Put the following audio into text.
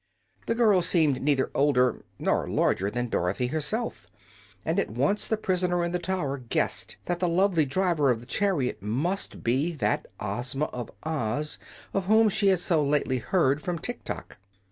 The girl seemed neither older nor larger than Dorothy herself, and at once the prisoner in the tower guessed that the lovely driver of the chariot must be that Ozma of Oz of whom she had so lately heard from Tiktok.